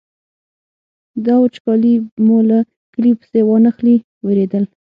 دا وچکالي مو له کلي پسې وانخلي وېرېدل.